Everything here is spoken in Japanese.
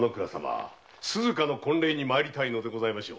鈴加の婚礼に参りたいのでございましょう。